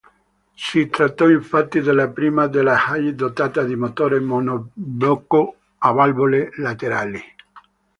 Si trattò infatti della prima Delahaye dotata di motore monoblocco a valvole laterali.